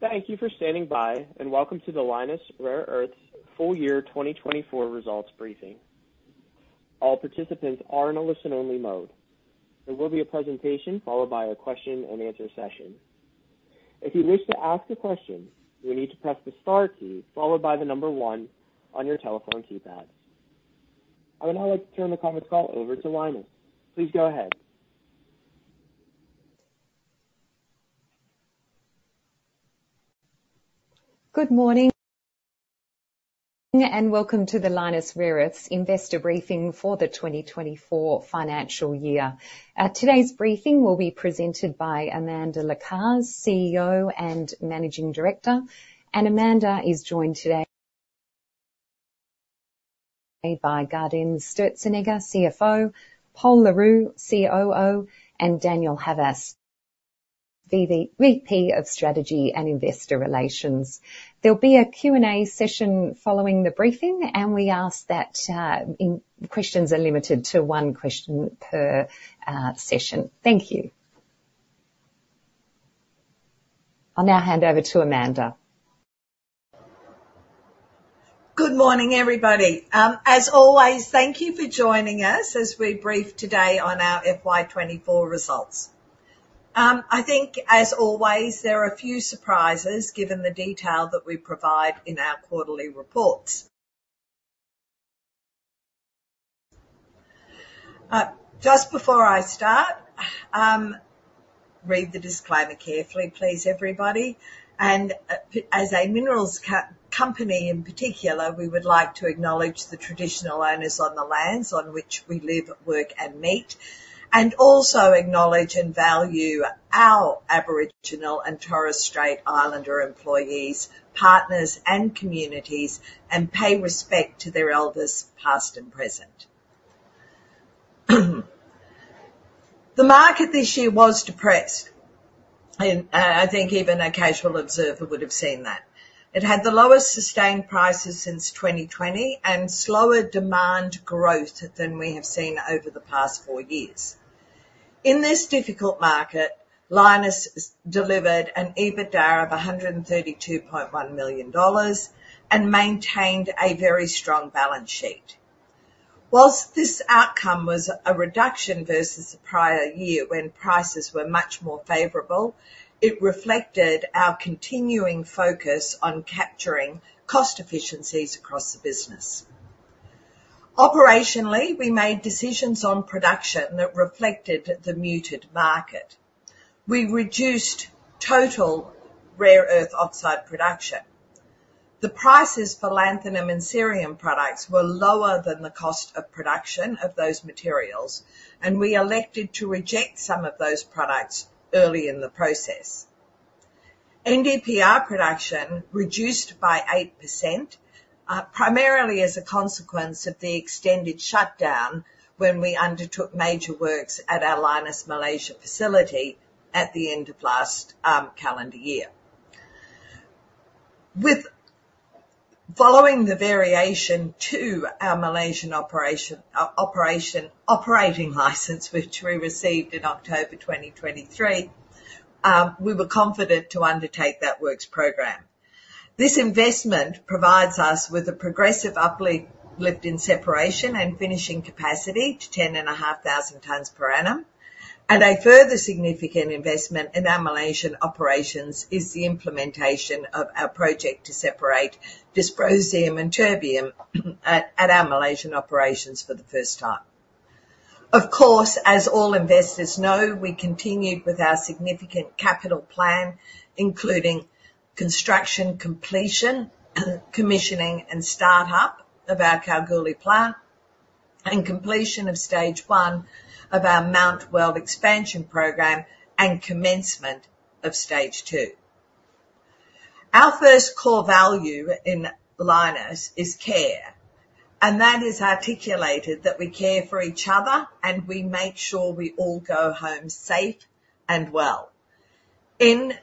Thank you for standing by, and Welcome to the Lynas Rare Earths full year 2024 results briefing. All participants are in a listen-only mode. There will be a presentation followed by a question-and-answer session. If you wish to ask a question, you will need to press the star key followed by the number one on your telephone keypad. I would now like to turn the conference call over to Lynas. Please go ahead. Good morning, and welcome to the Lynas Rare Earths investor briefing for the 2024 financial year. Today's briefing will be presented by Amanda Lacaze, CEO and Managing Director, and Amanda is joined today by Gaudenz Sturzenegger, CFO, Pol Le Roux, COO, and Daniel Havas, VP of Strategy and Investor Relations. There'll be a Q&A session following the briefing, and we ask that questions are limited to one question per session. Thank you. I'll now hand over to Amanda. Good morning, everybody. As always, thank you for joining us as we brief today on our FY 2024 results. I think as always, there are a few surprises given the detail that we provide in our quarterly reports. Just before I start, read the disclaimer carefully, please, everybody, and particularly as a minerals company, we would like to acknowledge the traditional owners of the lands on which we live, work, and meet, and also acknowledge and value our Aboriginal and Torres Strait Islander employees, partners, and communities, and pay respect to their elders, past and present. The market this year was depressed, and I think even a casual observer would have seen that. It had the lowest sustained prices since twenty twenty and slower demand growth than we have seen over the past four years. In this difficult market, Lynas delivered an EBITDA of 132.1 million dollars and maintained a very strong balance sheet. While this outcome was a reduction versus the prior year when prices were much more favorable, it reflected our continuing focus on capturing cost efficiencies across the business. Operationally, we made decisions on production that reflected the muted market. We reduced total rare earth oxide production. The prices for lanthanum and cerium products were lower than the cost of production of those materials, and we elected to reject some of those products early in the process. NdPr production reduced by 8%, primarily as a consequence of the extended shutdown when we undertook major works at our Lynas Malaysia facility at the end of last calendar year. Following the variation to our Malaysian operations operating license, which we received in October 2023, we were confident to undertake that works program. This investment provides us with a progressive uplift in separation and finishing capacity to 10,500 tons per annum. And a further significant investment in our Malaysian operations is the implementation of our project to separate dysprosium and terbium at our Malaysian operations for the first time. Of course, as all investors know, we continued with our significant capital plan, including construction, completion, commissioning, and start-up of our Kalgoorlie plant, and completion of stage one of our Mount Weld expansion program and commencement of stage two. Our first core value in Lynas is care, and that is articulated that we care for each other, and we make sure we all go home safe and well. In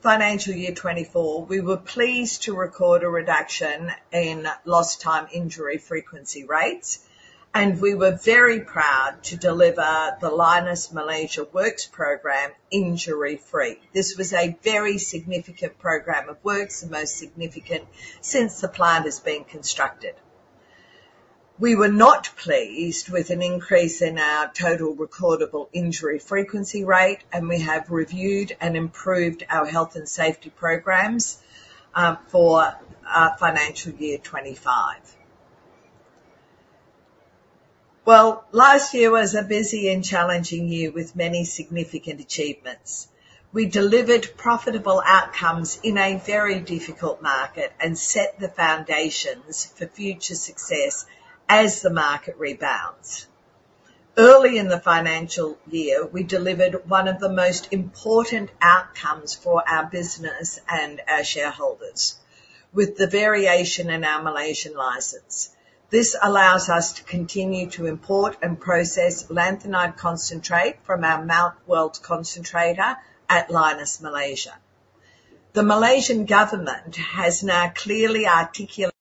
financial year 2024, we were pleased to record a reduction in lost time injury frequency rates, and we were very proud to deliver the Lynas Malaysia works program injury-free. This was a very significant program of works, the most significant since the plant has been constructed. We were not pleased with an increase in our total recordable injury frequency rate, and we have reviewed and improved our health and safety programs for financial year 2025. Last year was a busy and challenging year with many significant achievements. We delivered profitable outcomes in a very difficult market and set the foundations for future success as the market rebounds. Early in the financial year, we delivered one of the most important outcomes for our business and our shareholders, with the variation in our Malaysian license. This allows us to continue to import and process lanthanide concentrate from our Mount Weld concentrator at Lynas Malaysia. The Malaysian Government has now clearly articulated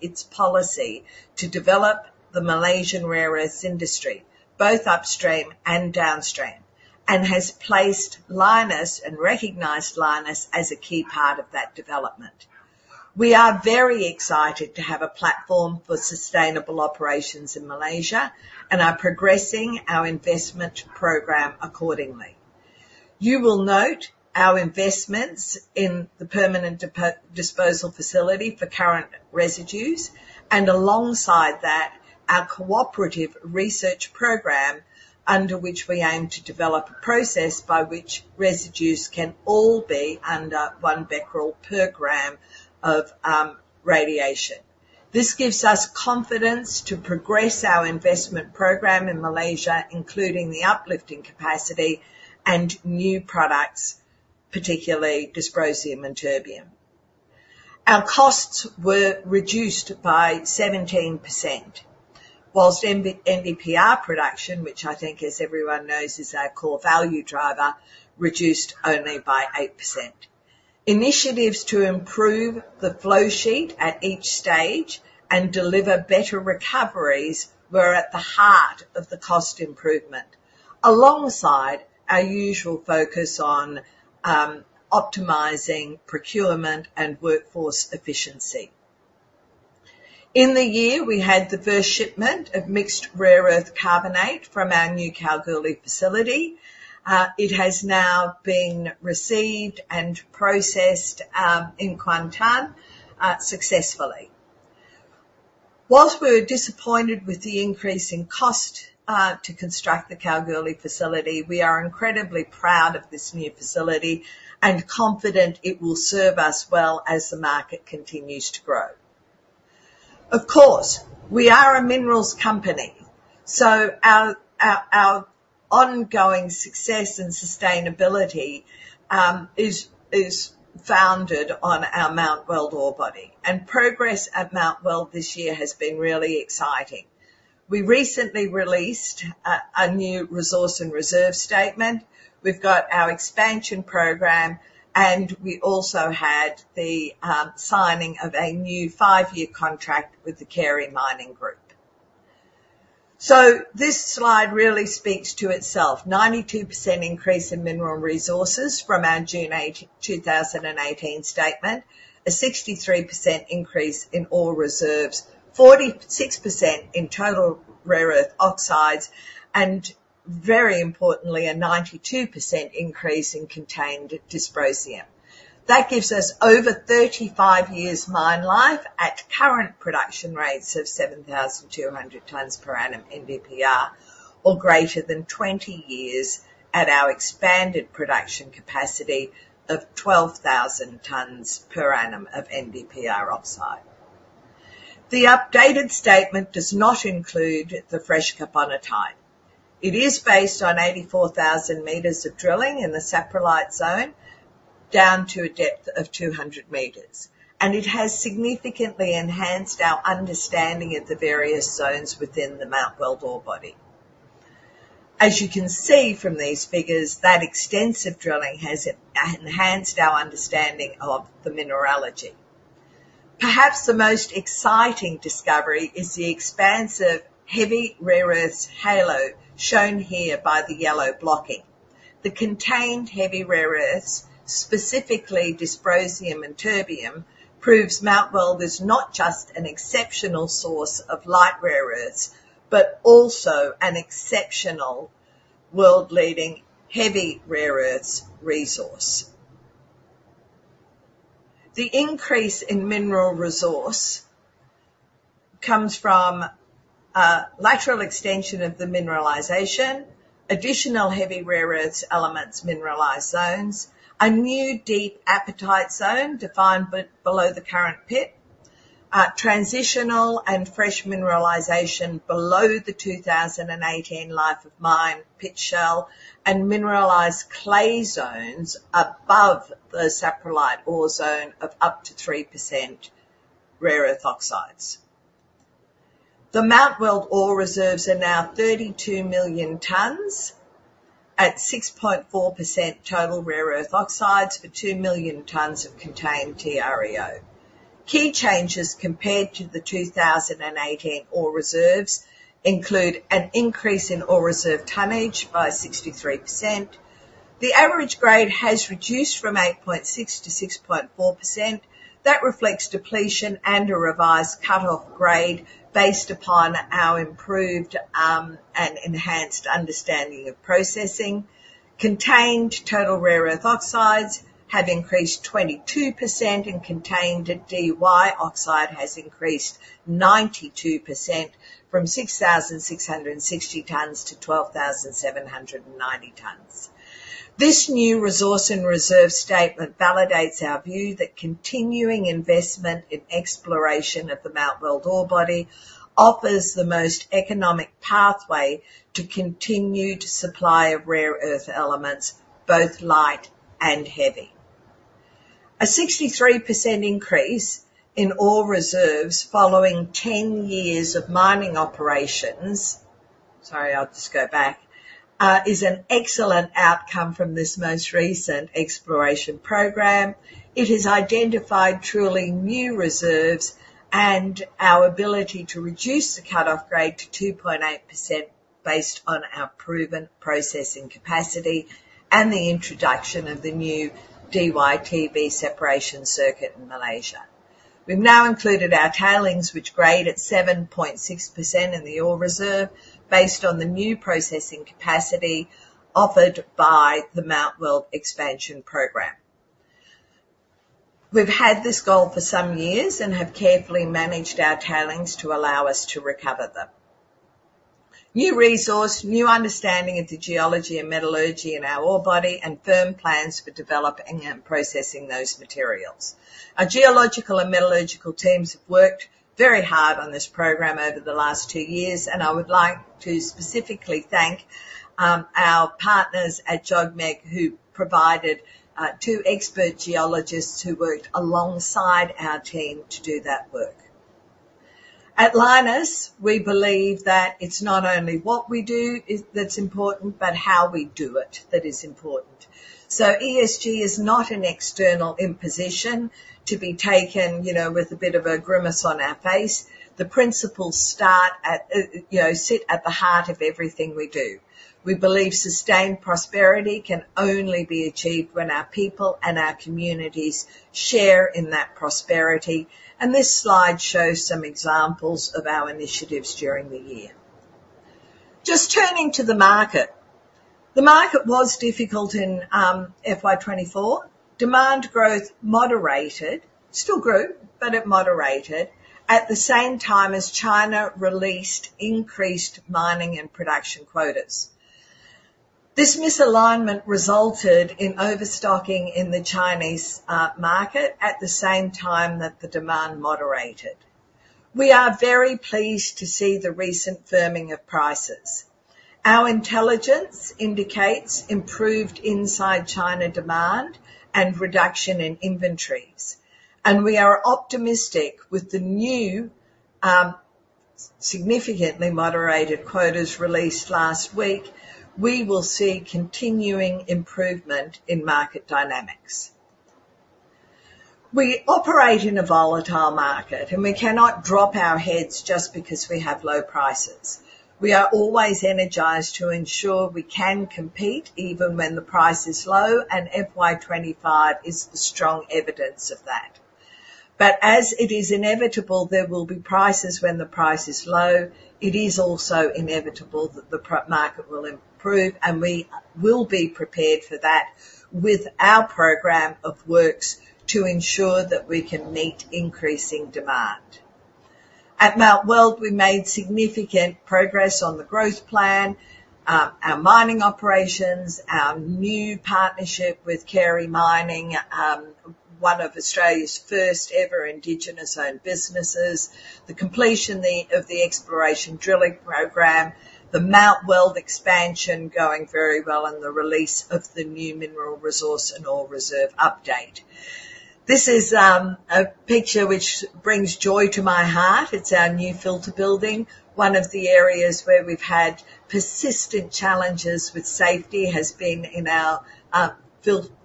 its policy to develop the Malaysian rare earths industry, both upstream and downstream, and has placed Lynas and recognized Lynas as a key part of that development. We are very excited to have a platform for sustainable operations in Malaysia and are progressing our investment program accordingly. You will note our investments in the permanent disposal facility for current residues, and alongside that, our cooperative research program, under which we aim to develop a process by which residues can all be under one becquerel per gram of radiation. This gives us confidence to progress our investment program in Malaysia, including the uplifting capacity and new products, particularly dysprosium and terbium. Our costs were reduced by 17%, while NdPr production, which I think, as everyone knows, is our core value driver, reduced only by 8%. Initiatives to improve the flow sheet at each stage and deliver better recoveries were at the heart of the cost improvement, alongside our usual focus on, optimizing procurement and workforce efficiency. In the year, we had the first shipment of mixed rare earth carbonate from our new Kalgoorlie facility. It has now been received and processed, in Kuantan, successfully. While we were disappointed with the increase in cost, to construct the Kalgoorlie facility, we are incredibly proud of this new facility and confident it will serve us well as the market continues to grow. Of course, we are a minerals company, so our ongoing success and sustainability is founded on our Mount Weld ore body, and progress at Mount Weld this year has been really exciting. We recently released a new resource and reserve statement. We've got our expansion program, and we also had the signing of a new five-year contract with the Carey Mining Group. So this slide really speaks to itself. 92% increase in mineral resources from our June 8, 2018 statement, a 63% increase in ore reserves, 46% in total rare earth oxides, and very importantly, a 92% increase in contained dysprosium. That gives us over 35 years mine life at current production rates of 7,200 tons per annum NdPr, or greater than 20 years at our expanded production capacity of 12,000 tons per annum of NdPr oxide. The updated statement does not include the fresh carbonatite. It is based on 84,000 meters of drilling in the saprolite zone, down to a depth of 200 meters, and it has significantly enhanced our understanding of the various zones within the Mount Weld ore body. As you can see from these figures, that extensive drilling has enhanced our understanding of the mineralogy. Perhaps the most exciting discovery is the expansive heavy rare earths halo, shown here by the yellow blocking. The contained heavy rare earths, specifically dysprosium and terbium, proves Mount Weld is not just an exceptional source of light rare earths, but also an exceptional world-leading heavy rare earths resource. The increase in mineral resource comes from lateral extension of the mineralization, additional heavy rare earths elements mineralized zones, a new deep apatite zone defined below the current pit, transitional and fresh mineralization below the 2018 life of mine pit shell, and mineralized clay zones above the saprolite ore zone of up to 3% rare earth oxides. The Mount Weld ore reserves are now 32 million tons at 6.4% total rare earth oxides for 2 million tons of contained TREO. Key changes compared to the 2018 ore reserves include an increase in ore reserve tonnage by 63%. The average grade has reduced from 8.6%-6.4%. That reflects depletion and a revised cut-off grade based upon our improved and enhanced understanding of processing. Contained total rare earth oxides have increased 22%, and contained Dy oxide has increased 92% from 6,660 tons-12,790 tons. This new resource and reserve statement validates our view that continuing investment in exploration of the Mount Weld ore body offers the most economic pathway to continued supply of rare earth elements, both light and heavy. A 63% increase in ore reserves following 10 years of mining operations is an excellent outcome from this most recent exploration program. It has identified truly new reserves and our ability to reduce the cut-off grade to 2.8% based on our proven processing capacity and the introduction of the new DyTb separation circuit in Malaysia. We've now included our tailings, which grade at 7.6% in the ore reserve, based on the new processing capacity offered by the Mount Weld expansion program. We've had this goal for some years and have carefully managed our tailings to allow us to recover them. New resource, new understanding of the geology and metallurgy in our ore body, and firm plans for developing and processing those materials. Our geological and metallurgical teams have worked very hard on this program over the last two years, and I would like to specifically thank our partners at JOGMEC, who provided two expert geologists who worked alongside our team to do that work. At Lynas, we believe that it's not only what we do is, that's important, but how we do it that is important. So ESG is not an external imposition to be taken, you know, with a bit of a grimace on our face. The principles start at, you know, sit at the heart of everything we do. We believe sustained prosperity can only be achieved when our people and our communities share in that prosperity, and this slide shows some examples of our initiatives during the year. Just turning to the market. The market was difficult in FY 2024. Demand growth moderated. Still grew, but it moderated, at the same time as China released increased mining and production quotas. This misalignment resulted in overstocking in the Chinese market at the same time that the demand moderated. We are very pleased to see the recent firming of prices. Our intelligence indicates improved inside China demand and reduction in inventories, and we are optimistic with the new, significantly moderated quotas released last week. We will see continuing improvement in market dynamics. We operate in a volatile market, and we cannot hang our heads just because we have low prices. We are always energized to ensure we can compete even when the price is low, and FY 2025 is the strong evidence of that. But as it is inevitable there will be times when the price is low, it is also inevitable that the market will improve, and we will be prepared for that with our program of works to ensure that we can meet increasing demand. At Mount Weld, we made significant progress on the growth plan, our mining operations, our new partnership with Carey Mining, one of Australia's first ever Indigenous-owned businesses, the completion of the exploration drilling program, the Mount Weld expansion going very well, and the release of the new mineral resource and ore reserve update. This is a picture which brings joy to my heart. It's our new filter building. One of the areas where we've had persistent challenges with safety has been in our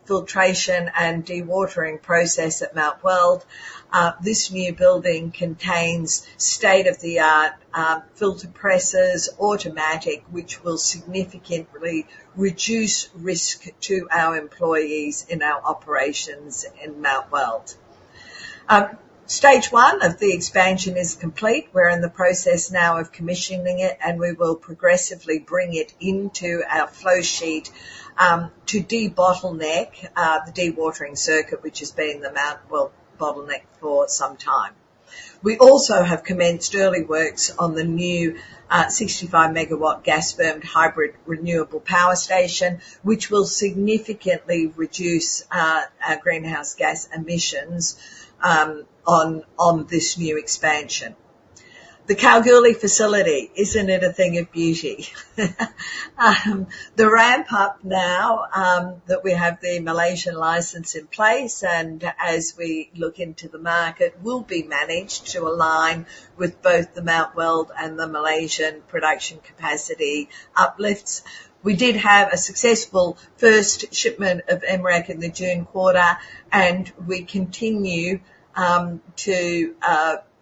filtration and dewatering process at Mount Weld. This new building contains state-of-the-art filter presses, automatic, which will significantly reduce risk to our employees in our operations in Mount Weld. Stage one of the expansion is complete. We're in the process now of commissioning it, and we will progressively bring it into our flow sheet, to debottleneck, the dewatering circuit, which has been the Mount Weld bottleneck for some time. We also have commenced early works on the new, 65-MW gas-firmed hybrid renewable power station, which will significantly reduce, our greenhouse gas emissions, on, on this new expansion. The Kalgoorlie facility, isn't it a thing of beauty? The ramp up now, that we have the Malaysian license in place, and as we look into the market, will be managed to align with both the Mount Weld and the Malaysian production capacity uplifts. We did have a successful first shipment of MREC in the June quarter, and we continue, to,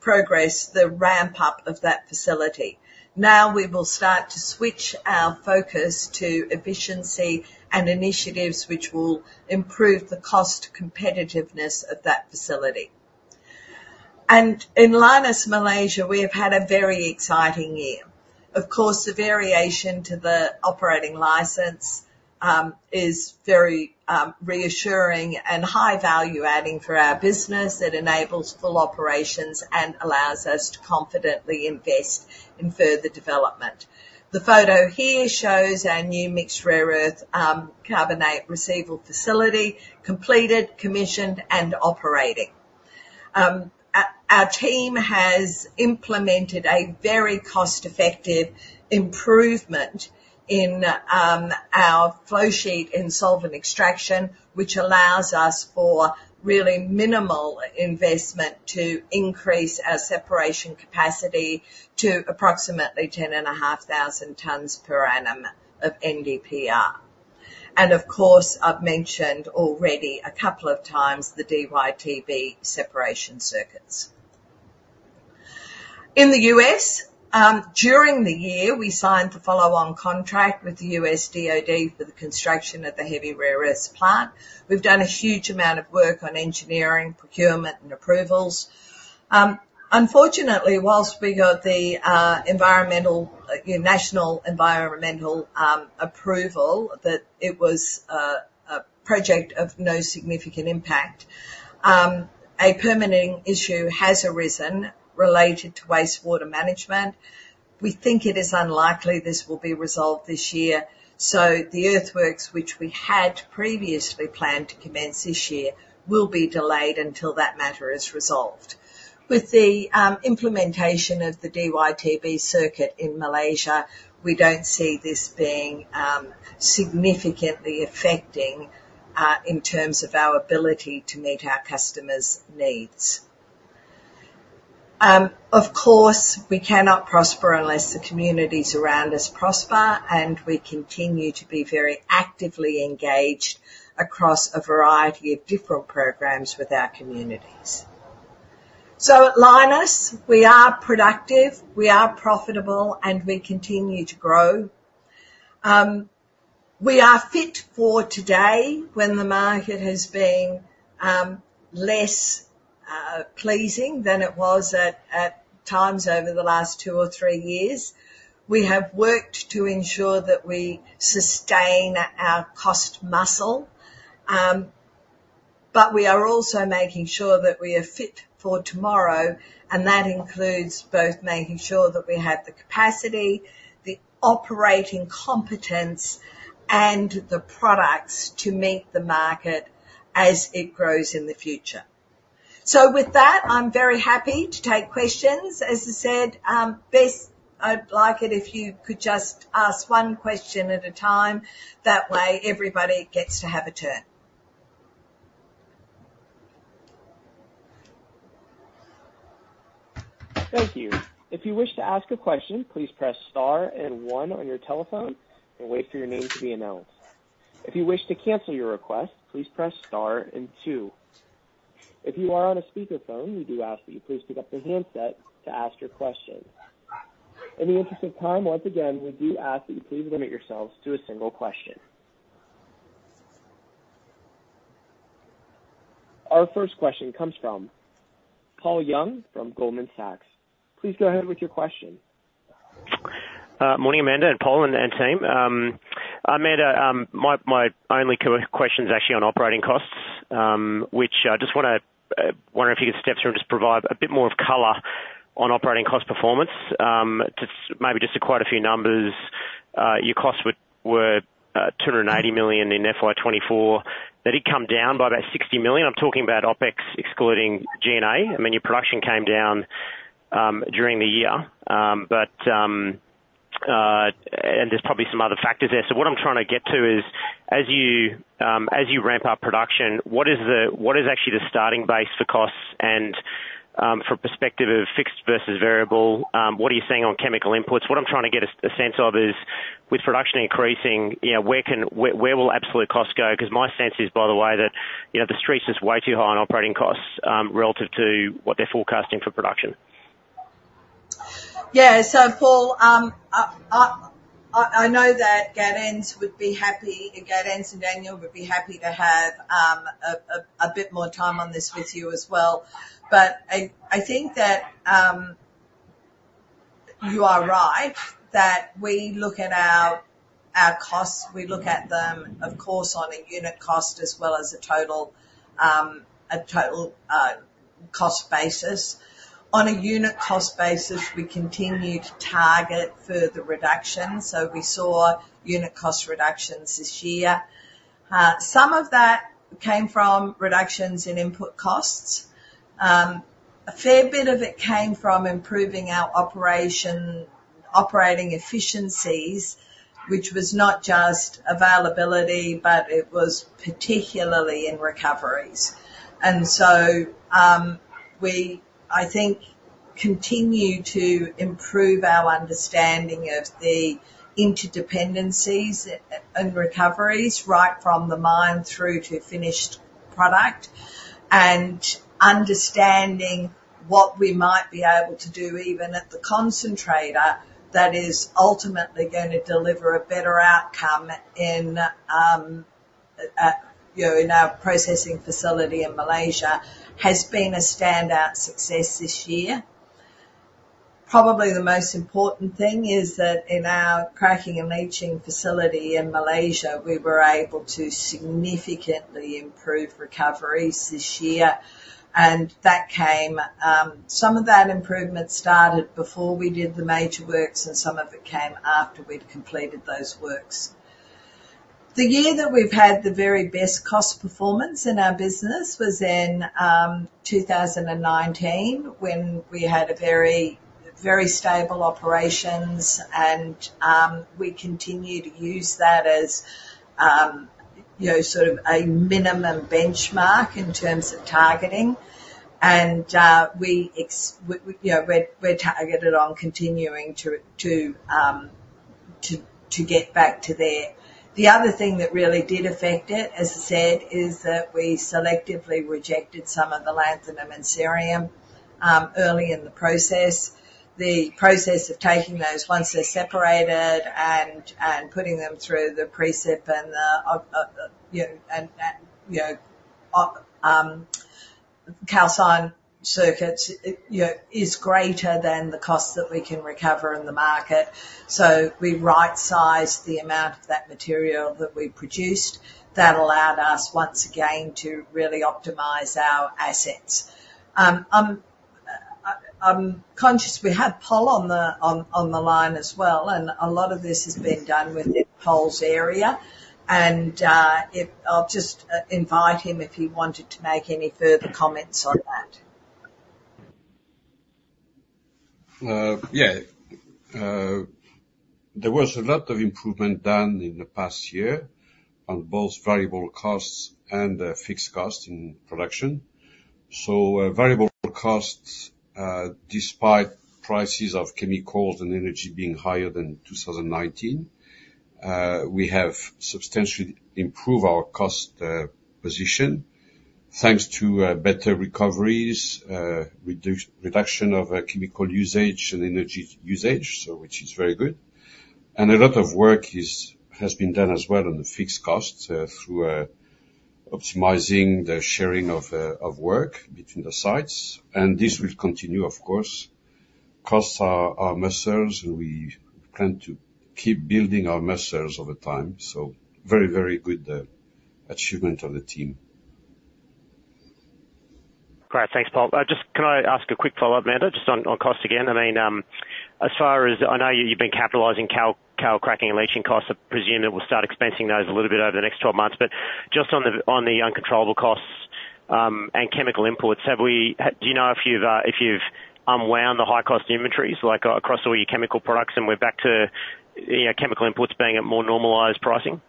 progress the ramp-up of that facility. Now, we will start to switch our focus to efficiency and initiatives which will improve the cost competitiveness of that facility. And in Lynas Malaysia, we have had a very exciting year. Of course, the variation to the operating license is very reassuring and high value-adding for our business. It enables full operations and allows us to confidently invest in further development. The photo here shows our new mixed rare earth carbonate receiving facility, completed, commissioned, and operating. Our team has implemented a very cost-effective improvement in our flow sheet in solvent extraction, which allows us for really minimal investment to increase our separation capacity to approximately ten and a half thousand tons per annum of NdPr. And of course, I've mentioned already a couple of times, the DyTb separation circuits. In the U.S., during the year, we signed the follow-on contract with the U.S. DoD for the construction of the heavy rare earth plant. We've done a huge amount of work on engineering, procurement, and approvals. Unfortunately, while we got the national environmental approval, that it was a project of no significant impact. A permitting issue has arisen related to wastewater management. We think it is unlikely this will be resolved this year, so the earthworks, which we had previously planned to commence this year, will be delayed until that matter is resolved. With the implementation of the DyTb circuit in Malaysia, we don't see this being significantly affecting in terms of our ability to meet our customers' needs. Of course, we cannot prosper unless the communities around us prosper, and we continue to be very actively engaged across a variety of different programs with our communities. So at Lynas, we are productive, we are profitable, and we continue to grow. We are fit for today when the market has been less pleasing than it was at times over the last two or three years. We have worked to ensure that we sustain our cost muscle, but we are also making sure that we are fit for tomorrow, and that includes both making sure that we have the capacity, the operating competence, and the products to meet the market as it grows in the future. So with that, I'm very happy to take questions. As I said, best I'd like it if you could just ask one question at a time. That way, everybody gets to have a turn. Thank you. If you wish to ask a question, please press star and one on your telephone and wait for your name to be announced. If you wish to cancel your request, please press star and two. If you are on a speakerphone, we do ask that you please pick up the handset to ask your question. In the interest of time, once again, we do ask that you please limit yourselves to a single question. Our first question comes from Paul Young from Goldman Sachs. Please go ahead with your question. Morning, Amanda and Pol and team. Amanda, my only question is actually on operating costs, which I just wanna wonder if you could step through and just provide a bit more of color on operating cost performance. Just maybe to quote a few numbers, your costs were 280 million in FY 2024. That did come down by about 60 million. I'm talking about OpEx, excluding G&A. I mean, your production came down during the year. But and there's probably some other factors there. So what I'm trying to get to is, as you ramp up production, what is actually the starting base for costs? And from perspective of fixed versus variable, what are you seeing on chemical inputs? What I'm trying to get a sense of is, with production increasing, you know, where will absolute costs go? 'Cause my sense is, by the way, that, you know, the street's just way too high on operating costs relative to what they're forecasting for production. Yeah. So, Pol, I know that Gaudenz would be happy. Gaudenz and Daniel would be happy to have a bit more time on this with you as well. But I think that you are right, that we look at our costs. We look at them, of course, on a unit cost as well as a total cost basis. On a unit cost basis, we continue to target further reductions, so we saw unit cost reductions this year. Some of that came from reductions in input costs. A fair bit of it came from improving our operating efficiencies, which was not just availability, but it was particularly in recoveries. And so, I think we continue to improve our understanding of the interdependencies and recoveries, right from the mine through to finished product. Understanding what we might be able to do, even at the concentrator, that is ultimately gonna deliver a better outcome in, you know, in our processing facility in Malaysia, has been a standout success this year. Probably, the most important thing is that in our cracking and leaching facility in Malaysia, we were able to significantly improve recoveries this year, and that came, some of that improvement started before we did the major works, and some of it came after we'd completed those works. The year that we've had the very best cost performance in our business was in 2019, when we had a very, very stable operations and, we continued to use that as, you know, sort of a minimum benchmark in terms of targeting. We, you know, we're targeted on continuing to get back to there. The other thing that really did affect it, as I said, is that we selectively rejected some of the lanthanum and cerium early in the process. The process of taking those, once they're separated and putting them through the precip and the calcine circuits, it, you know, is greater than the cost that we can recover in the market. So we right-sized the amount of that material that we produced. That allowed us, once again, to really optimize our assets. I'm conscious we have Pol on the line as well, and a lot of this has been done within Pol's area. If... I'll just invite him, if he wanted to make any further comments on that. There was a lot of improvement done in the past year on both variable costs and fixed costs in production. So, variable costs, despite prices of chemicals and energy being higher than 2019, we have substantially improved our cost position, thanks to better recoveries, reduction of chemical usage and energy usage, so which is very good. And a lot of work has been done as well on the fixed costs, through optimizing the sharing of work between the sites, and this will continue, of course. Costs are measures, and we plan to keep building our measures over time. So very, very good achievement on the team. Great. Thanks, Pol. Just can I ask a quick follow-up, Amanda, just on cost again? I mean, as far as I know, you've been capitalizing calcining, cracking and leaching costs. I presume that we'll start expensing those a little bit over the next 12 months. But just on the uncontrollable costs, and chemical imports, do you know if you've unwound the high cost inventories, like, across all your chemical products, and we're back to, you know, chemical imports being at more normalized pricing?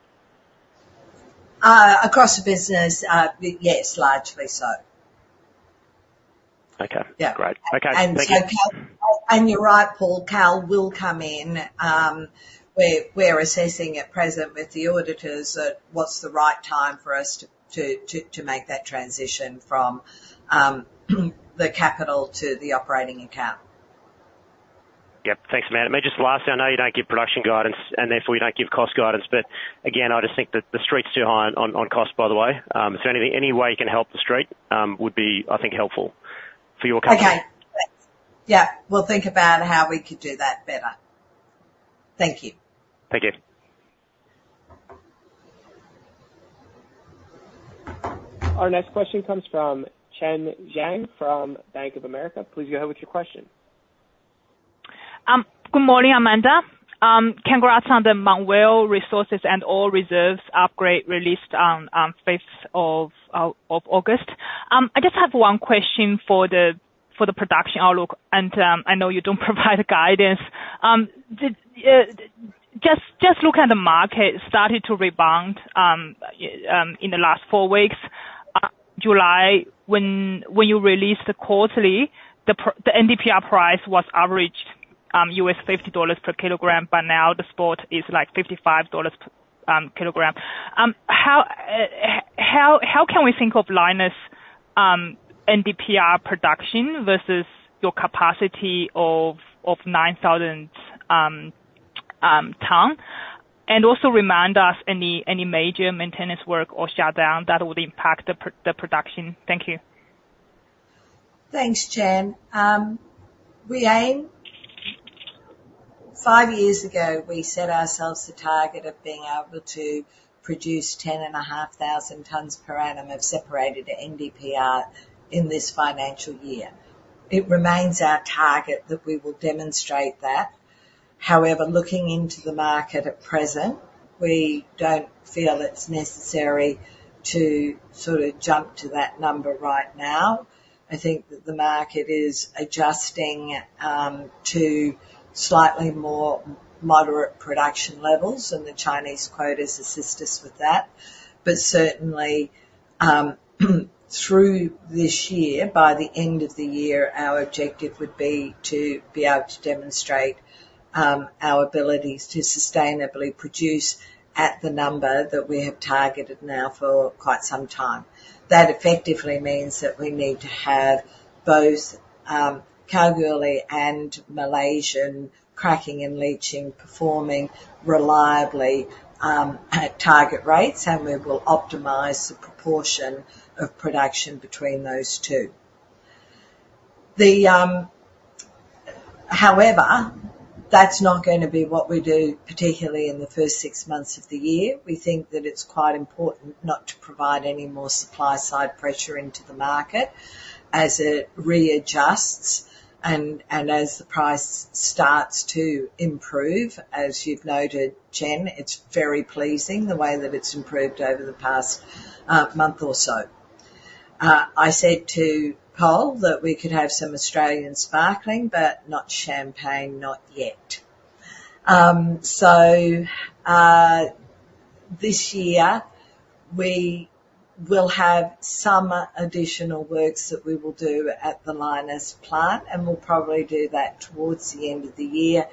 Across the business, yes, largely so. Okay. Yeah. Great. Okay, thank you. You're right, Paul. Kal will come in. We're assessing at present with the auditors at what's the right time for us to make that transition from the capital to the operating account. Yep. Thanks, Amanda. Maybe just lastly, I know you don't give production guidance, and therefore you don't give cost guidance, but again, I just think that the street's too high on cost, by the way. Is there anything, any way you can help the street, would be, I think, helpful for your company? Okay. Thanks. Yeah, we'll think about how we could do that better. Thank you. Thank you. Our next question comes from Chen Jiang from Bank of America. Please go ahead with your question. Good morning, Amanda. Congrats on the Mount Weld resources and all reserves upgrade released on fifth of August. I just have one question for the production outlook, and I know you don't provide guidance. Just look at the market started to rebound in the last four weeks. July, when you released the quarterly, the NdPr price was averaged $50 per kilogram, but now the spot is, like, $55 per kilogram. How can we think of Lynas NdPr production versus your capacity of 9,000 ton? And also remind us any major maintenance work or shutdown that would impact the production. Thank you. Thanks, Chen. Five years ago, we set ourselves the target of being able to produce 10,500 tons per annum of separated NdPr in this financial year. It remains our target that we will demonstrate that. However, looking into the market at present, we don't feel it's necessary to sort of jump to that number right now. I think that the market is adjusting to slightly more moderate production levels, and the Chinese quotas assist us with that. But certainly, through this year, by the end of the year, our objective would be to be able to demonstrate our abilities to sustainably produce at the number that we have targeted now for quite some time. That effectively means that we need to have both, Kalgoorlie and Malaysian cracking and leaching, performing reliably, at target rates, and we will optimize the proportion of production between those two. However, that's not gonna be what we do, particularly in the first six months of the year. We think that it's quite important not to provide any more supply side pressure into the market as it readjusts and, and as the price starts to improve. As you've noted, Chen, it's very pleasing the way that it's improved over the past, month or so. I said to Pol that we could have some Australian sparkling, but not champagne, not yet. So, this year, we will have some additional works that we will do at the Lynas plant, and we'll probably do that towards the end of the year.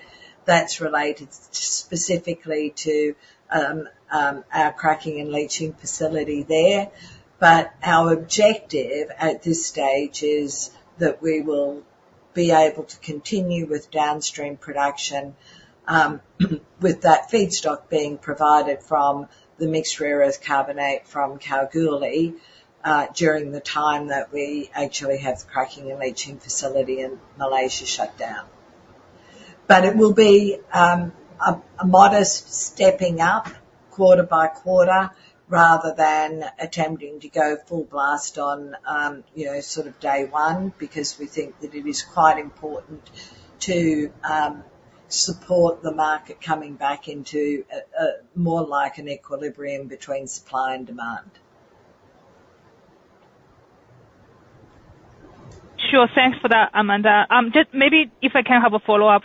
That's related specifically to our cracking and leaching facility there. But our objective at this stage is that we will be able to continue with downstream production with that feedstock being provided from the mixed rare earth carbonate from Kalgoorlie during the time that we actually have the cracking and leaching facility in Malaysia shut down. But it will be a modest stepping up quarter-by-quarter, rather than attempting to go full blast on you know sort of day one, because we think that it is quite important to support the market coming back into a more like an equilibrium between supply and demand. Sure. Thanks for that, Amanda. Just maybe if I can have a follow-up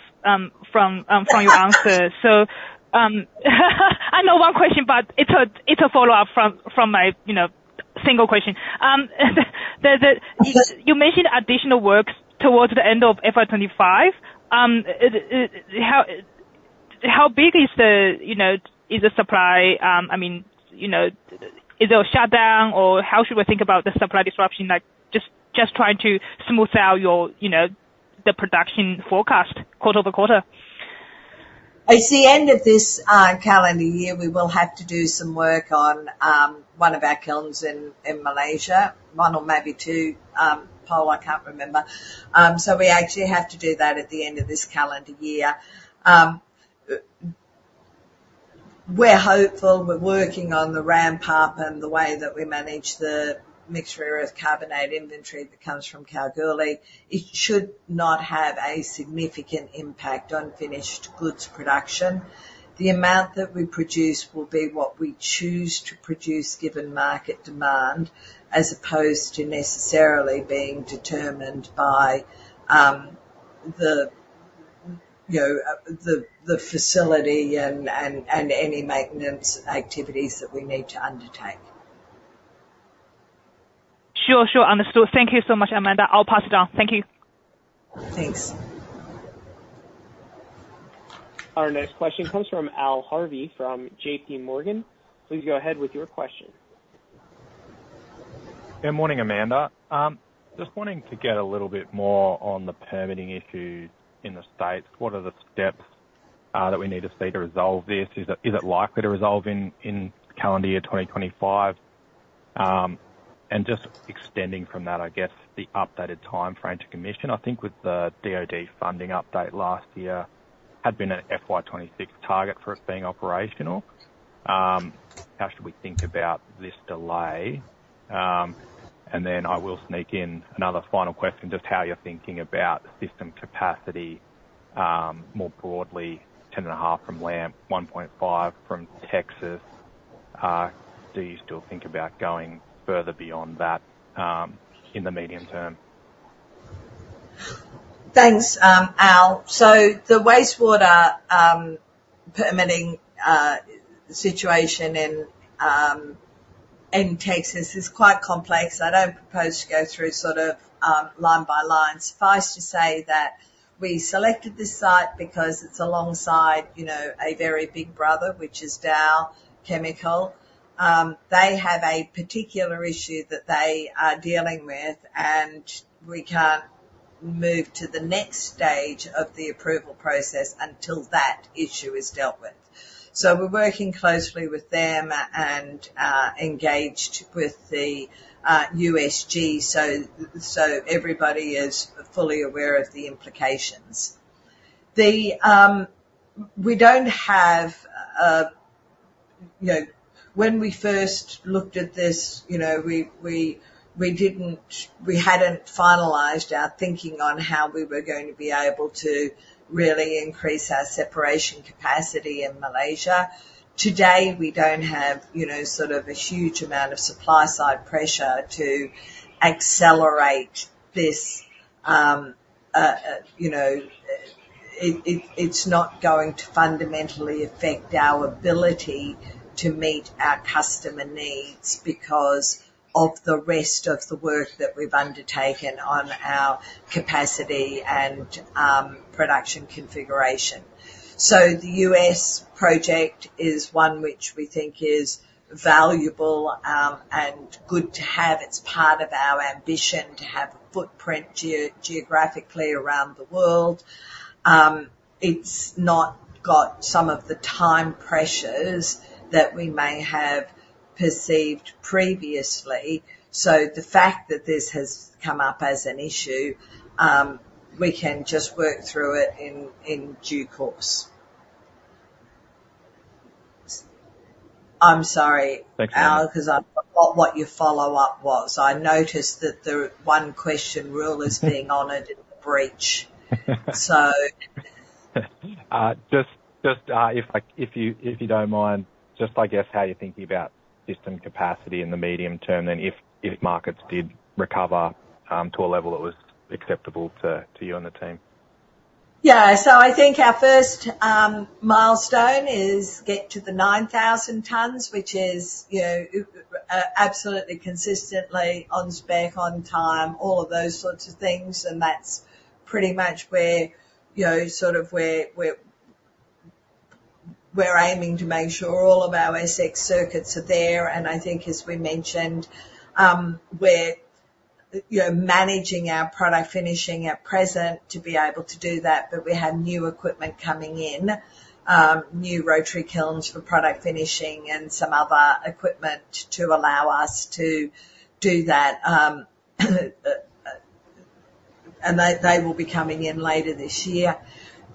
from your answer. So, I know one question, but it's a follow-up from my, you know, single question. You mentioned additional works towards the end of FY 2025. How big is the supply? I mean, you know, is there a shutdown, or how should we think about the supply disruption? Like, just trying to smooth out your, you know, the production forecast quarter over quarter. At the end of this calendar year, we will have to do some work on one of our kilns in Malaysia. One or maybe two, Pol, I can't remember. So we actually have to do that at the end of this calendar year. We're hopeful. We're working on the ramp-up and the way that we manage the mixed rare earth carbonate inventory that comes from Kalgoorlie. It should not have a significant impact on finished goods production. The amount that we produce will be what we choose to produce, given market demand, as opposed to necessarily being determined by the you know the facility and any maintenance activities that we need to undertake. Sure. Sure, understood. Thank you so much, Amanda. I'll pass it on. Thank you. Thanks. Our next question comes from Al Harvey from JPMorgan. Please go ahead with your question. Good morning, Amanda. Just wanting to get a little bit more on the permitting issues in the States. What are the steps that we need to see to resolve this? Is it likely to resolve in calendar year 2025? And just extending from that, I guess the updated timeframe to commission. I think with the DoD funding update last year, had been an FY 2026 target for it being operational. How should we think about this delay? And then I will sneak in another final question, just how you're thinking about system capacity more broadly, 10.5 from LAMP, 1.5 from Texas. Do you still think about going further beyond that in the medium term? Thanks, Al. The wastewater permitting situation in Texas is quite complex. I don't propose to go through sort of line by line. Suffice to say that we selected this site because it's alongside, you know, a very big brother, which is Dow Chemical. They have a particular issue that they are dealing with, and we can't move to the next stage of the approval process until that issue is dealt with. So we're working closely with them and engaged with the USG, so everybody is fully aware of the implications. The... We don't have, you know, when we first looked at this, you know, we hadn't finalized our thinking on how we were going to be able to really increase our separation capacity in Malaysia. Today, we don't have, you know, sort of a huge amount of supply side pressure to accelerate this. You know, it's not going to fundamentally affect our ability to meet our customer needs because of the rest of the work that we've undertaken on our capacity and production configuration. So the U.S. project is one which we think is valuable and good to have. It's part of our ambition to have a footprint geo-geographically around the world. It's not got some of the time pressures that we may have perceived previously. So the fact that this has come up as an issue, we can just work through it in due course. I'm sorry, Al- Thank you. -because I forgot what your follow-up was. I noticed that the one question rule is being honored in the breach. So,... just, if, like, if you don't mind, just, I guess, how you're thinking about system capacity in the medium term, and if markets did recover to a level that was acceptable to you and the team? Yeah. So I think our first milestone is get to the nine thousand tons, which is, you know, absolutely consistently on spec, on time, all of those sorts of things. And that's pretty much where, you know, sort of where we're aiming to make sure all of our SX circuits are there. And I think as we mentioned, we're, you know, managing our product finishing at present to be able to do that. But we have new equipment coming in, new rotary kilns for product finishing and some other equipment to allow us to do that. And they will be coming in later this year.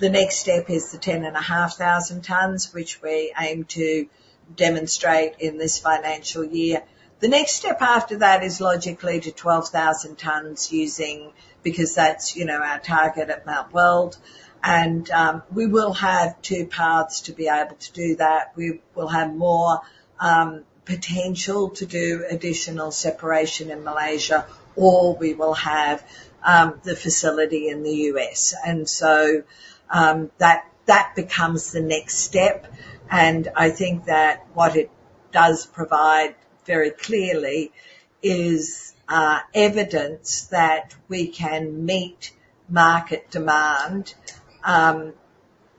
The next step is the 10,500 tons, which we aim to demonstrate in this financial year. The next step after that is logically to 12,000 tons because that's, you know, our target at Mount Weld, and we will have two paths to be able to do that. We will have more potential to do additional separation in Malaysia, or we will have the facility in the U.S., and so that becomes the next step, and I think that what it does provide very clearly is evidence that we can meet market demand,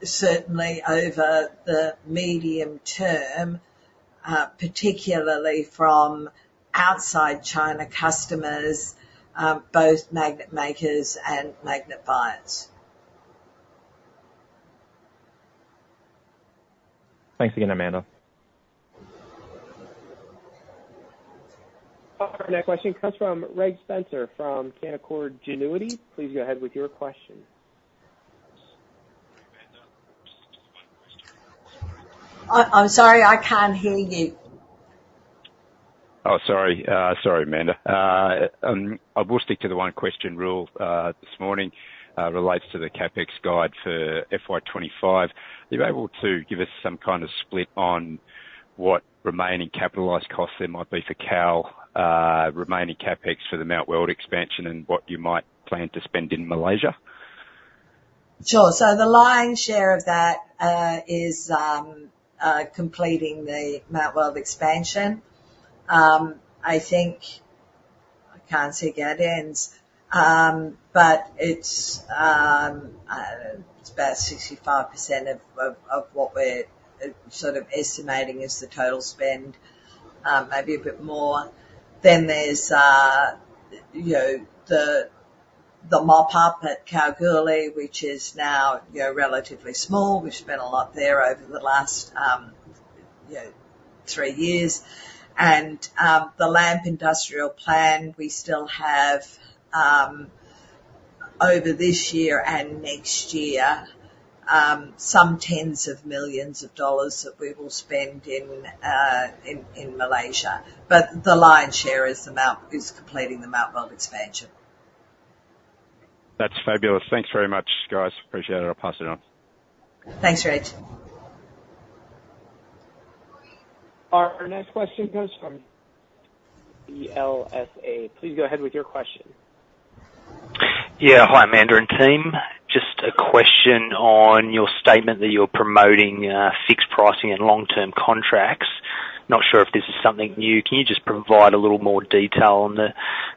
certainly over the medium term, particularly from outside China customers, both magnet makers and magnet buyers. Thanks again, Amanda. Our next question comes from Reg Spencer from Canaccord Genuity. Please go ahead with your question. Hi, Amanda. Just one question. I'm sorry, I can't hear you. Sorry, Amanda. I will stick to the one question rule this morning. Relates to the CapEx guide for FY 2025. Are you able to give us some kind of split on what remaining capitalized costs there might be for Kal, remaining CapEx for the Mount Weld expansion, and what you might plan to spend in Malaysia? Sure. So the lion's share of that is completing the Mount Weld expansion. I think I can't see Gaudenz's. But it's about 65% of what we're sort of estimating is the total spend, maybe a bit more. Then there's you know, the mop up at Kalgoorlie, which is now you know, relatively small. We've spent a lot there over the last you know, three years. And the LAMP industrial plant, we still have over this year and next year some tens of millions of dollars that we will spend in Malaysia. But the lion's share is completing the Mount Weld expansion. That's fabulous. Thanks very much, guys. Appreciate it. I'll pass it on. Thanks, Reg. Our next question comes from CLSA. Please go ahead with your question. Yeah. Hi, Amanda and team. Just a question on your statement that you're promoting fixed pricing and long-term contracts. Not sure if this is something new. Can you just provide a little more detail on the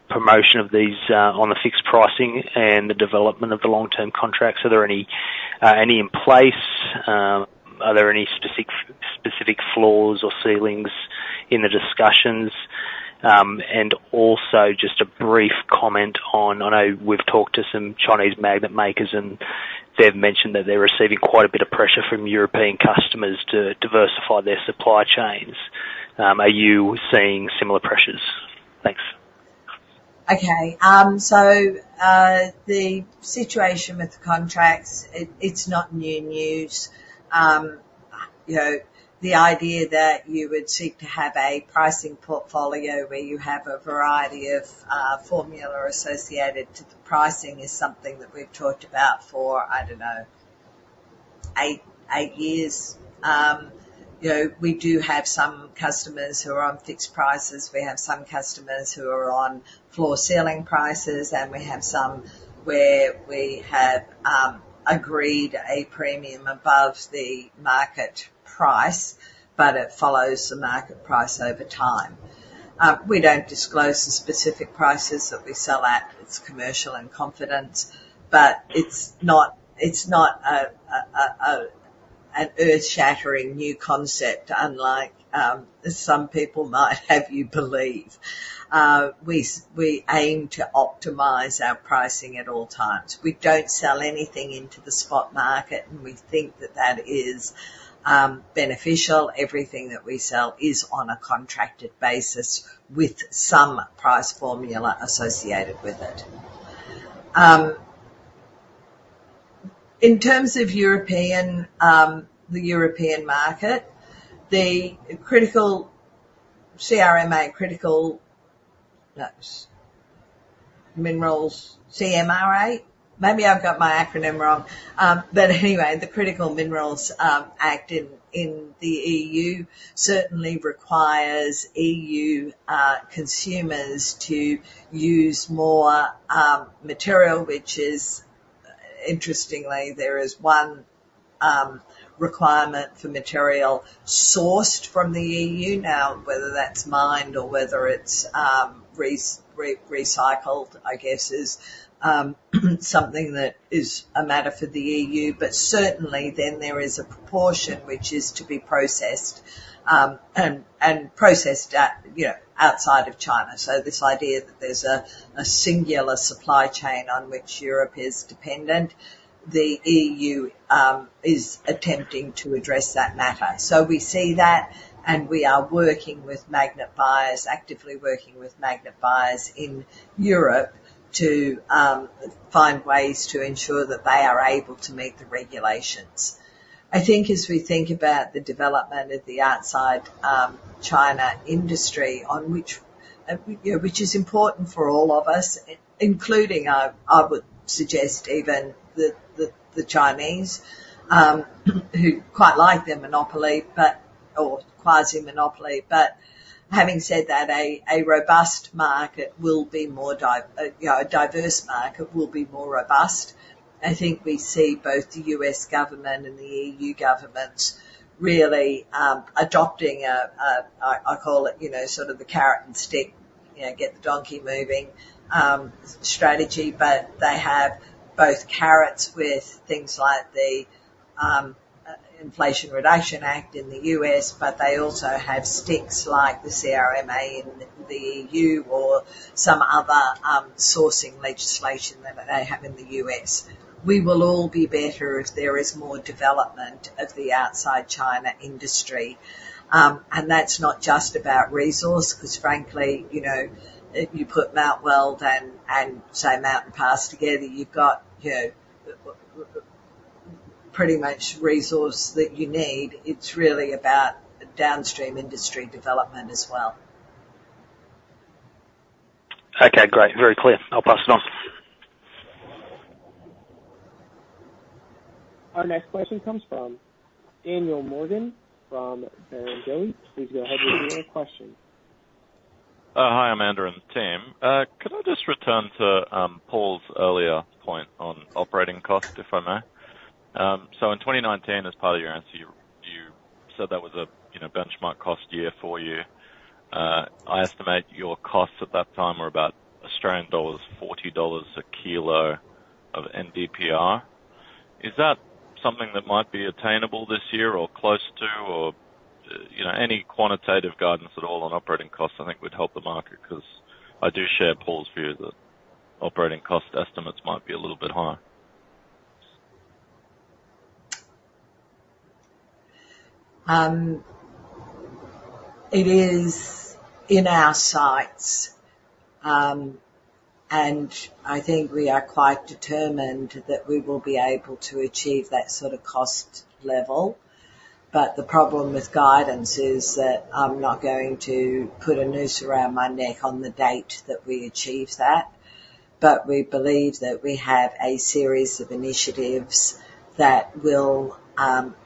promotion of these, on the fixed pricing and the development of the long-term contracts? Are there any in place? Are there any specific floors or ceilings in the discussions? And also just a brief comment on... I know we've talked to some Chinese magnet makers, and they've mentioned that they're receiving quite a bit of pressure from European customers to diversify their supply chains. Are you seeing similar pressures? Thanks. Okay. So, the situation with the contracts, it, it's not new news. You know, the idea that you would seek to have a pricing portfolio where you have a variety of, formula associated to the pricing, is something that we've talked about for, I don't know, eight years. You know, we do have some customers who are on fixed prices. We have some customers who are on floor-ceiling prices, and we have some where we have, agreed a premium above the market price, but it follows the market price over time. We don't disclose the specific prices that we sell at. It's commercial in confidence, but it's not, it's not an earth-shattering new concept, unlike, some people might have you believe. We aim to optimize our pricing at all times. We don't sell anything into the spot market, and we think that that is beneficial. Everything that we sell is on a contracted basis with some price formula associated with it. In terms of the European market, the critical CRMA. Maybe I've got my acronym wrong. But anyway, the Critical Raw Materials Act in the EU certainly requires EU consumers to use more material, which is interestingly, there is one requirement for material sourced from the EU. Now, whether that's mined or whether it's recycled, I guess, is something that is a matter for the EU. But certainly, then there is a proportion which is to be processed, and processed at, you know, outside of China. This idea that there's a singular supply chain on which Europe is dependent, the EU is attempting to address that matter. We see that, and we are working with magnet buyers, actively working with magnet buyers in Europe, to find ways to ensure that they are able to meet the regulations. I think as we think about the development of the outside China industry, on which you know which is important for all of us, including I would suggest even the Chinese who quite like their monopoly, but or quasi-monopoly. Having said that, a robust market will be more you know a diverse market will be more robust. I think we see both the U.S. government and the EU government really adopting a, I call it, you know, sort of the carrot-and-stick, you know, get the donkey moving strategy, but they have both carrots with things like the Inflation Reduction Act in the U.S., but they also have sticks like the CRMA in the EU or some other sourcing legislation that they have in the U.S. We will all be better if there is more development of the outside China industry, and that's not just about resource, 'cause frankly, you know, if you put Mount Weld and say Mountain Pass together, you've got, you know, pretty much resource that you need. It's really about downstream industry development as well. Okay, great. Very clear. I'll pass it on. Our next question comes from Daniel Morgan from Barrenjoey. Please go ahead with your question. Hi, Amanda and the team. Could I just return to Pol's earlier point on operating costs, if I may? In 2019, as part of your answer, you said that was a you know, benchmark cost year for you. I estimate your costs at that time were about Australian dollars 40 a kilo of NdPr. Is that something that might be attainable this year or close to? Or you know, any quantitative guidance at all on operating costs, I think, would help the market, 'cause I do share Pol's view that operating cost estimates might be a little bit high. It is in our sights, and I think we are quite determined that we will be able to achieve that sort of cost level, but the problem with guidance is that I'm not going to put a noose around my neck on the date that we achieve that, but we believe that we have a series of initiatives that will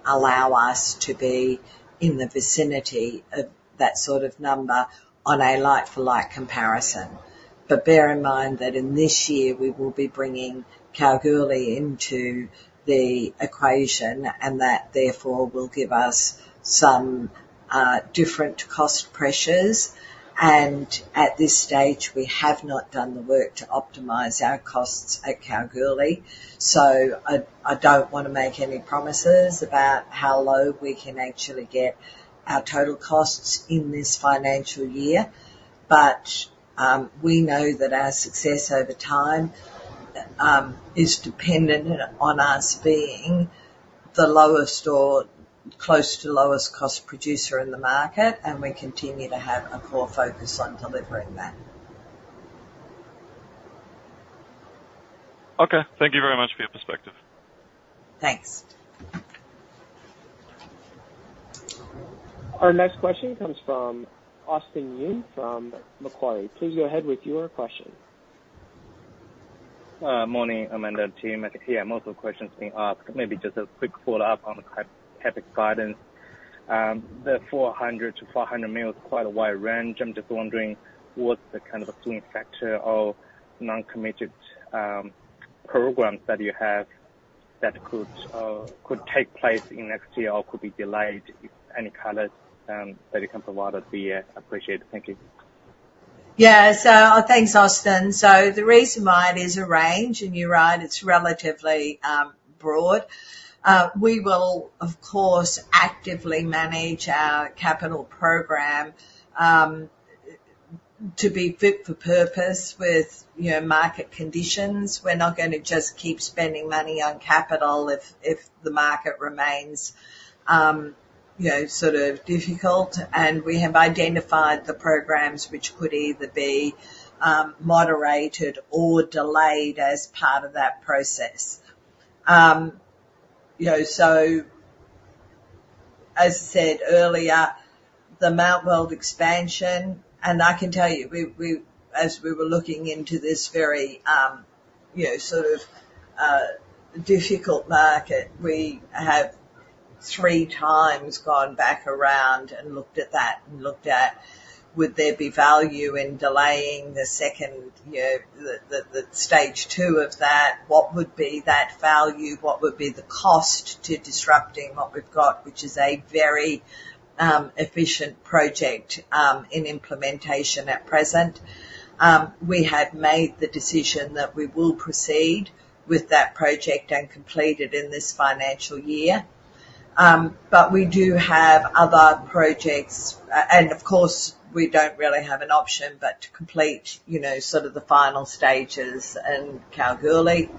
allow us to be in the vicinity of that sort of number on a like-for-like comparison, but bear in mind that in this year, we will be bringing Kalgoorlie into the equation, and that, therefore, will give us some different cost pressures, and at this stage, we have not done the work to optimize our costs at Kalgoorlie, so I don't wanna make any promises about how low we can actually get our total costs in this financial year. But we know that our success over time is dependent on us being the lowest or close to lowest cost producer in the market, and we continue to have a core focus on delivering that. Okay, thank you very much for your perspective. Thanks. Our next question comes from Austin Yun from Macquarie. Please go ahead with your question. Morning, Amanda and team. I can hear multiple questions being asked. Maybe just a quick follow-up on the CapEx guidance. The 400 million-500 million is quite a wide range. I'm just wondering, what's the kind of a pulling factor of non-committed programs that you have that could take place in next year or could be delayed? If any kind of that you can provide us with be appreciated. Thank you. Yeah. So thanks, Austin. So the reason why it is a range, and you're right, it's relatively broad. We will, of course, actively manage our capital program to be fit for purpose with, you know, market conditions. We're not gonna just keep spending money on capital if, if the market remains, you know, sort of difficult. And we have identified the programs which could either be moderated or delayed as part of that process. You know, as I said earlier, the Mount Weld expansion, and I can tell you, we as we were looking into this very, you know, sort of difficult market, we have three times gone back around and looked at that, and looked at would there be value in delaying the second, you know, the stage two of that? What would be that value? What would be the cost to disrupting what we've got, which is a very efficient project in implementation at present. We have made the decision that we will proceed with that project and complete it in this financial year. But we do have other projects. And, of course, we don't really have an option but to complete, you know, sort of the final stages in Kalgoorlie.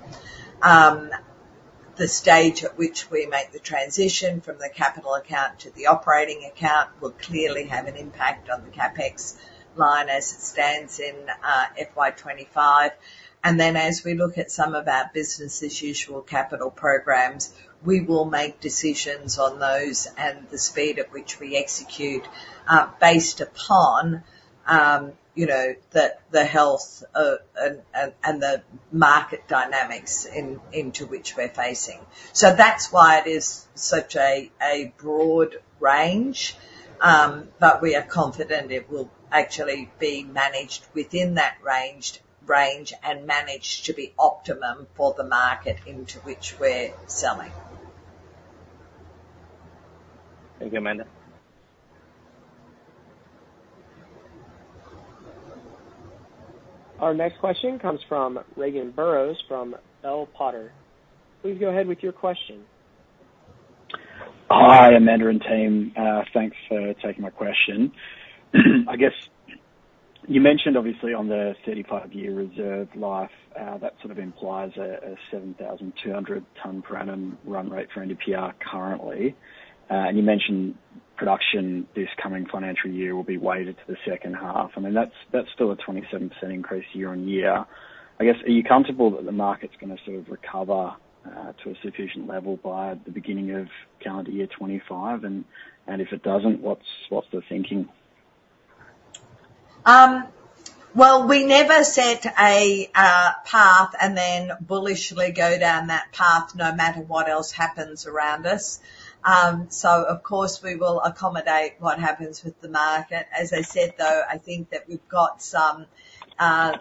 The stage at which we make the transition from the capital account to the operating account will clearly have an impact on the CapEx line as it stands in FY 2025. And then, as we look at some of our business as usual capital programs, we will make decisions on those and the speed at which we execute, based upon, you know, the health and the market dynamics into which we're facing. So that's why it is such a broad range. But we are confident it will actually be managed within that range and managed to be optimum for the market into which we're selling. Thank you, Amanda. Our next question comes from Regan Burrows, from Bell Potter. Please go ahead with your question. Hi, Amanda and team. Thanks for taking my question. I guess you mentioned obviously on the 35-year reserve life, that sort of implies a 7,200-ton per annum run rate for NdPr currently. And you mentioned production this coming financial year will be weighted to the second half. I mean, that's still a 27% increase year on year. I guess, are you comfortable that the market's gonna sort of recover to a sufficient level by the beginning of calendar year 2025? And if it doesn't, what's the thinking? Well, we never set a path and then bullishly go down that path no matter what else happens around us. So of course, we will accommodate what happens with the market. As I said, though, I think that we've got some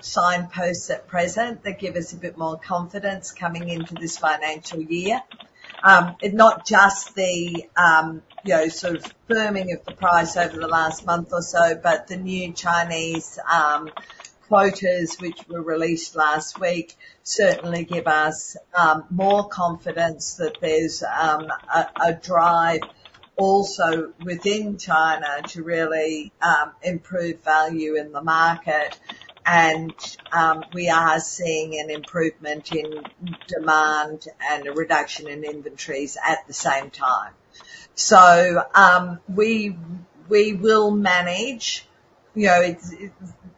signposts at present that give us a bit more confidence coming into this financial year. And not just the, you know, sort of firming of the price over the last month or so, but the new Chinese quotas, which were released last week, certainly give us more confidence that there's a drive also within China to really improve value in the market. And we are seeing an improvement in demand and a reduction in inventories at the same time. So, we will manage, you know, it's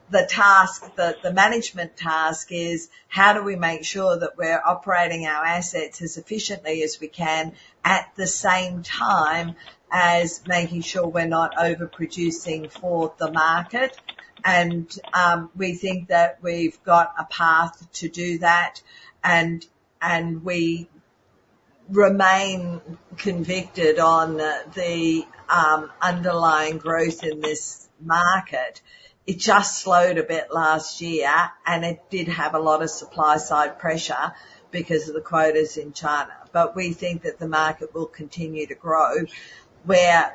the management task is: how do we make sure that we're operating our assets as efficiently as we can, at the same time as making sure we're not overproducing for the market? And, we think that we've got a path to do that, and we remain convicted on the underlying growth in this market. It just slowed a bit last year, and it did have a lot of supply side pressure because of the quotas in China. But we think that the market will continue to grow. We're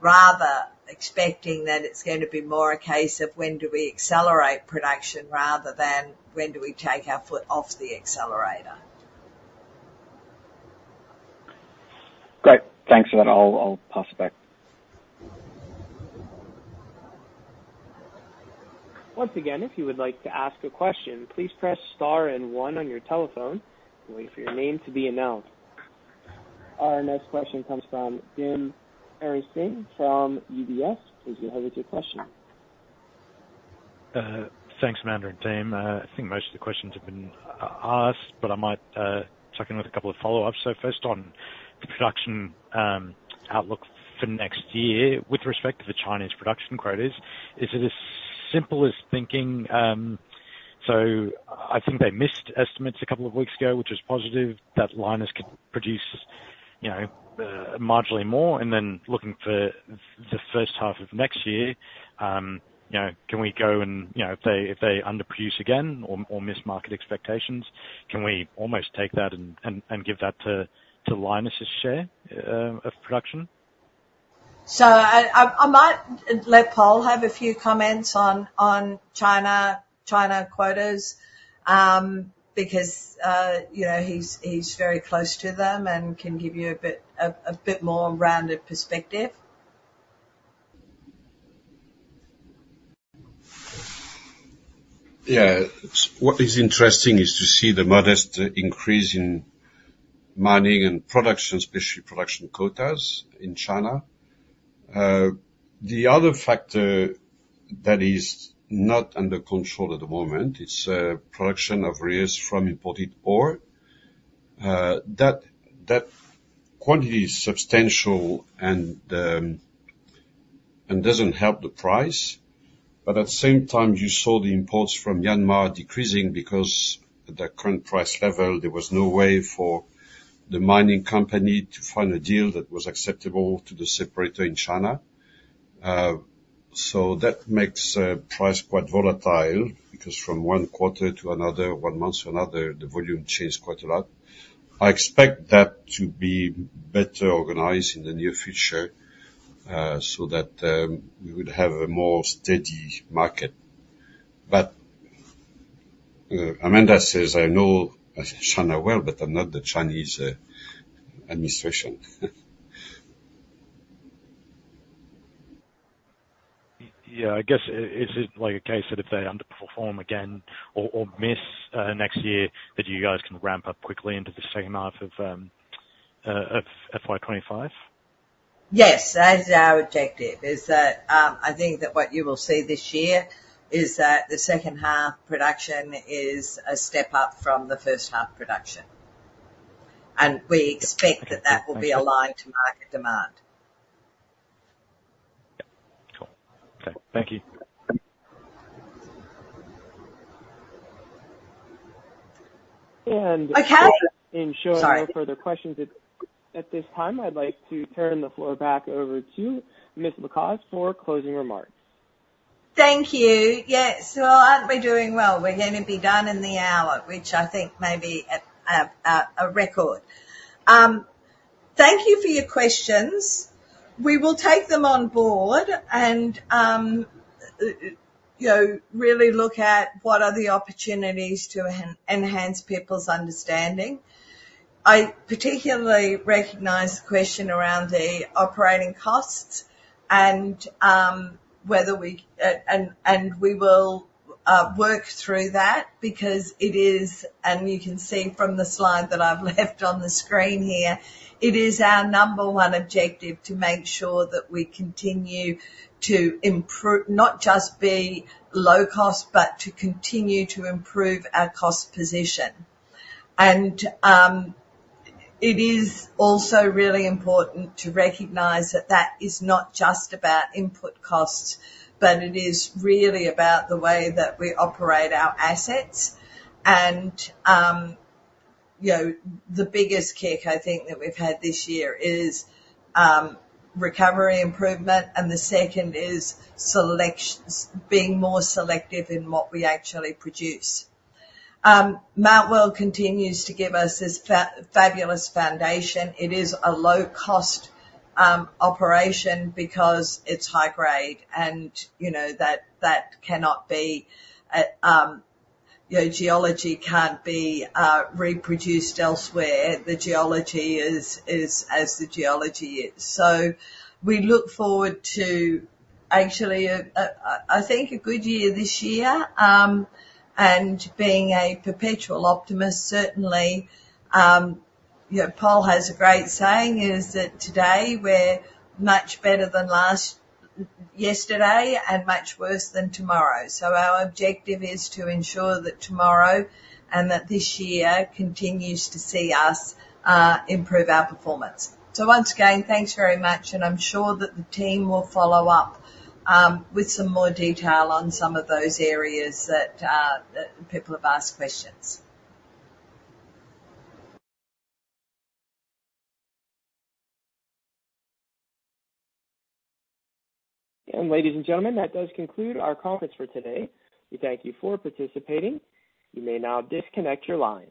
rather expecting that it's going to be more a case of when do we accelerate production rather than when do we take our foot off the accelerator. Great. Thanks for that. I'll pass it back. Once again, if you would like to ask a question, please press star and one on your telephone and wait for your name to be announced. Our next question comes from Dim Ariyasinghe from UBS. Please go ahead with your question. Thanks, Amanda and team. I think most of the questions have been asked, but I might check in with a couple of follow-ups. First on the production outlook for next year, with respect to the Chinese production quotas, is it as simple as thinking, so I think they missed estimates a couple of weeks ago, which was positive, that Lynas could produce, you know, marginally more, and then looking for the first half of next year, you know, can we go and, you know, if they underproduce again or miss market expectations, can we almost take that and give that to Lynas' share of production? So I might let Pol have a few comments on China quotas, because you know, he's very close to them and can give you a bit more rounded perspective. Yeah. What is interesting is to see the modest increase in mining and production, especially production quotas in China.... The other factor that is not under control at the moment, it's production of rare earths from imported ore. That quantity is substantial and doesn't help the price. But at the same time, you saw the imports from Myanmar decreasing because at the current price level, there was no way for the mining company to find a deal that was acceptable to the separator in China. So that makes price quite volatile, because from one quarter to another, one month to another, the volume changed quite a lot. I expect that to be better organized in the near future, so that we would have a more steady market. But Amanda says, I know China well, but I'm not the Chinese administration. Yeah, I guess, is it like a case that if they underperform again or miss next year, that you guys can ramp up quickly into the second half of FY 2025? Yes, that is our objective, is that, I think that what you will see this year is that the second half production is a step up from the first half production. And we expect that that will be aligned to market demand. Yeah, cool. Okay. Thank you. And- Okay. In showing- Sorry. No further questions at this time. I'd like to turn the floor back over to Ms. Lacaze for closing remarks. Thank you. Yes, well, aren't we doing well? We're going to be done in the hour, which I think may be a record. Thank you for your questions. We will take them on board and, you know, really look at what are the opportunities to enhance people's understanding. I particularly recognize the question around the operating costs and whether we and we will work through that because it is and you can see from the slide that I've left on the screen here, it is our number one objective to make sure that we continue to not just be low cost, but to continue to improve our cost position. It is also really important to recognize that that is not just about input costs, but it is really about the way that we operate our assets. You know, the biggest kick, I think, that we've had this year is recovery improvement, and the second is selections being more selective in what we actually produce. Mount Weld continues to give us this fabulous foundation. It is a low-cost operation because it's high grade and, you know, that cannot be reproduced elsewhere. The geology is as the geology is, so we look forward to actually, I think, a good year this year. And being a perpetual optimist, certainly, you know, Pol has a great saying, is that, "Today, we're much better than yesterday, and much worse than tomorrow," so our objective is to ensure that tomorrow, and that this year continues to see us improve our performance. So once again, thanks very much, and I'm sure that the team will follow up with some more detail on some of those areas that people have asked questions. Ladies and gentlemen, that does conclude our conference for today. We thank you for participating. You may now disconnect your lines.